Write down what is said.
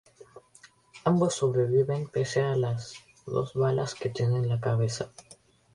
Ambos sobreviven, pese a las dos balas que tiene en la cabeza.